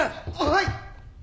はい！